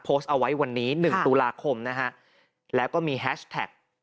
โพสต์เอาไว้วันนี้๑ตุลาคมแล้วก็มีแฮชแท็ก